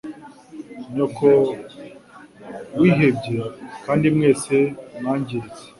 Nyoko wihebye, kandi mwese mwangiritse ....